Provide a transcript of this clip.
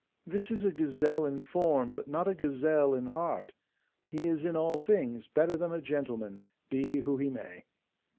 This is a gazelle in form, but not a gazelle in heart; he is in all things better than a gentleman, be he who he may.